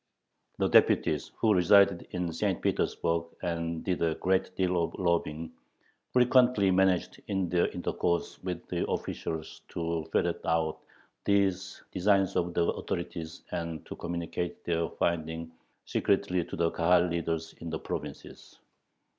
The deputies, who resided in St. Petersburg and did a great deal of lobbying, frequently managed in their intercourse with the officials to ferret out these "designs" of the authorities and to communicate their findings secretly to the Kahal leaders in the provinces.